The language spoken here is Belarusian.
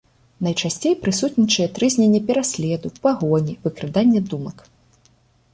Найчасцей прысутнічае трызненне пераследу, пагоні, выкрадання думак.